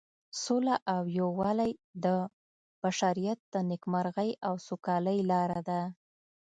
سوله او یووالی د بشریت د نیکمرغۍ او سوکالۍ لاره ده.